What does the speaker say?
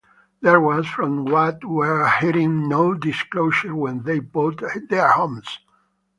There was, from what we're hearing, no disclosure when they bought their homes.